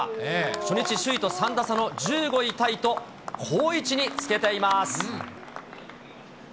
初日首位と３打差の１５位タイと好位置につけています。